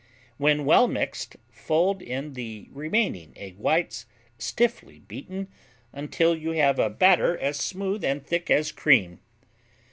When well mixed, fold in the remaining egg whites, stiffly beaten, until you have a batter as smooth and thick as cream.